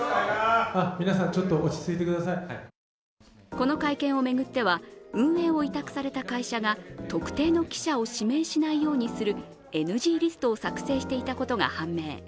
この会見を巡っては、運営を委託された会社が特定の記者を指名しないようにするＮＧリストを作成していたことが判明。